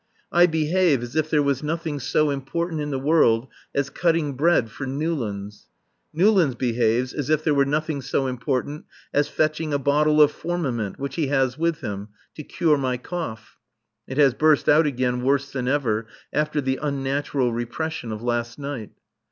I behave as if there was nothing so important in the world as cutting bread for Newlands. Newlands behaves as if there were nothing so important as fetching a bottle of formamint, which he has with him, to cure my cough. (It has burst out again worse than ever after the unnatural repression of last night.)